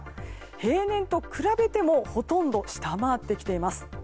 平年と比べてもほとんど下回ってきています。